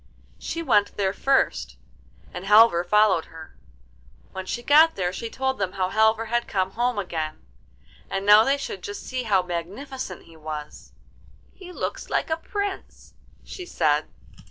She went there first, and Halvor followed her. When she got there she told them how Halvor had come home again, and now they should just see how magnificent he was. 'He looks like a prince,' she said.